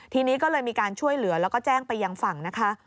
ทีนี้ก็เลยมีการช่วยเหลือแล้วก็แจ้งไปยังฝั่งนะคะ